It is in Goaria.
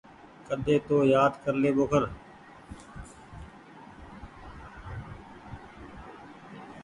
ڪيۮي يآد ڪر لي ٻوکر۔